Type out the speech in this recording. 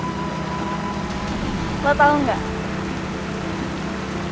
waktu masa masa gue pacaran sama nino